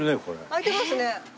開いてますね。